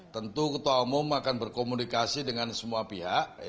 tentu ketua umum akan berkomunikasi dengan semua pihak